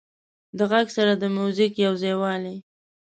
د غږ سره د موزیک یو ځایوالی